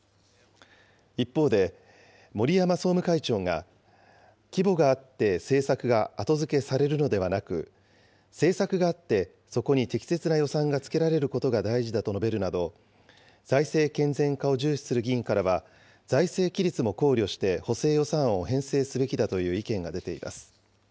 一方で、森山総務会長が、規模があって政策が後付けされるのではなく、政策があってそこに適切な予算が付けられることが大事だと述べるなど、財政健全化を重視する議員からは、財政規律も考慮して補正予算案を編成すべきだという意見が出ています。